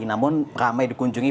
namun ramai dikunjungi